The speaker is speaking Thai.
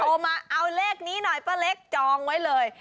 โทรมาเอาเลขนี้หน่อยป้าเล็กจองไว้เลย